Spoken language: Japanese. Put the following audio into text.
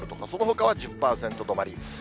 そのほかは１０％止まり。